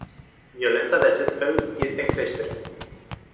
Violența de acest fel este în creștere.